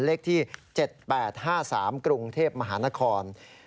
เลขที่๗๘๕๓กรุงเทพมหานคร